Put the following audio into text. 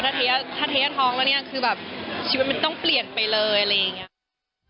ถ้าเทท้องแล้วเนี่ยคือแบบชีวิตมันต้องเปลี่ยนไปเลยอะไรอย่างนี้